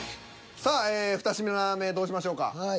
さあ２品目どうしましょうか？